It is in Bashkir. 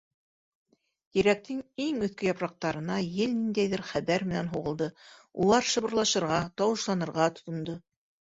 Тирәктең иң өҫкө япраҡтарына ел ниндәйҙер хәбәр менән һуғылды, улар шыбырлашырға, тауышланырға тотондо.